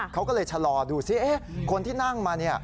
เขาก็เลยชะลอดูสิคนที่นั่งมา